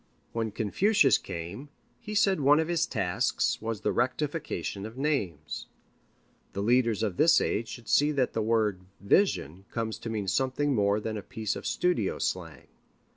When Confucius came, he said one of his tasks was the rectification of names. The leaders of this age should see that this word "vision" comes to mean something more than a piece of studio slang.